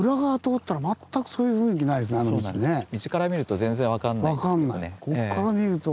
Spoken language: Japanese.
道から見ると全然分かんないんですけどね。